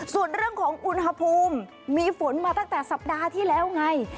ส่วนเรื่องของอุณหภูมิมีฝนมาตั้งแต่สัปดาห์ที่แล้วไง